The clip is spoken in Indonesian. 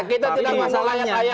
kita tidak memulainya